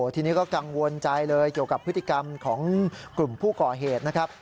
ทีนี้ก็กังวลใจเลยเกี่ยวกับพฤติกรรมของกลุ่มผู้ก่อเหตุนะครับ